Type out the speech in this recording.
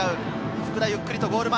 福田、ゆっくりとゴール前。